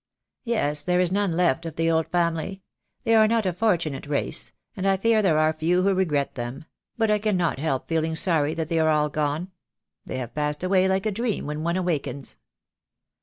"Yes, there is none left of the old family. They are not a fortunate race, and I fear there are few who regret them; but I cannot help feeling sorry that they are all gone. They have passed away like a dream when one awakens."